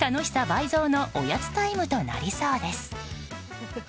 倍増のおやつタイムとなりそうです。